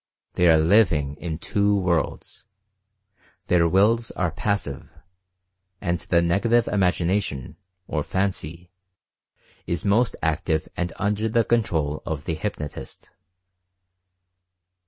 They are living in two worlds. Their Wills are passive — and the Negative Imagination, or Fancy, is most active and under the control of the hypnotist.